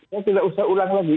saya tidak usah ulang lagi